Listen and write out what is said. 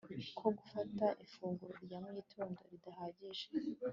ko gufata ifunguro rya mugitondo ridahagije